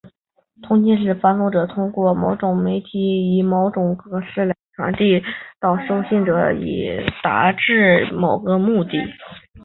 通信是发送者通过某种媒体以某种格式来传递信息到收信者以达致某个目的。